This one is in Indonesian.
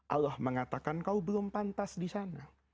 allah mengatakan kau belum pantas di sana